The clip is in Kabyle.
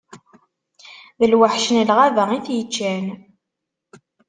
D lweḥc n lɣaba i t-iččan.